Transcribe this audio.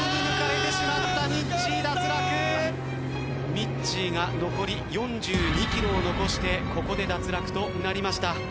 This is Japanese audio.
みっちーが残り４２ｋｍを残してここで脱落となりました。